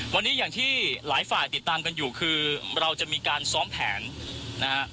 วันนี้อย่างที่หลายฝ่ายติดตามกันอยู่คือเราจะมีการซ้อมแผนนะฮะ